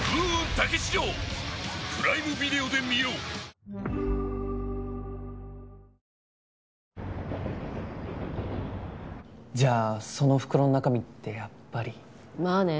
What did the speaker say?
カルピスソーダ！じゃあその袋の中身ってやっぱり？まあね。